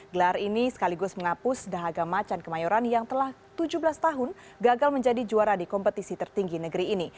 gelar ini sekaligus menghapus dahaga macan kemayoran yang telah tujuh belas tahun gagal menjadi juara di kompetisi tertinggi negeri ini